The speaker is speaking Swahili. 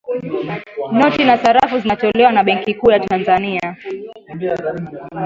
noti na sarafu zinatolewa na benki kuu ya tanzania